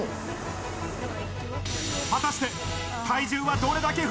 果たして、体重はどれだけ増